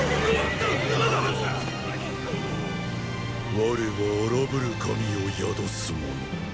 我は“荒ぶる神”を宿す者。